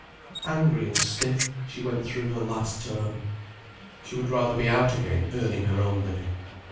Angry and stiff, she went through her last term. She would rather be out again earning her own living.